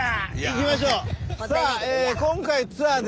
いきましょう！